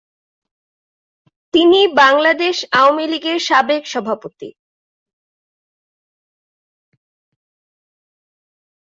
তিনি বাংলাদেশ আওয়ামীলীগ এর সাবেক সভাপতি।